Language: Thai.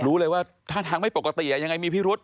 รู้เลยว่าท่าทางไม่ปกติยังไงมีพิรุษ